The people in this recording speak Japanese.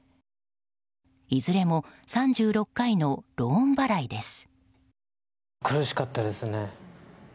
いずれも３６回のローン払いです。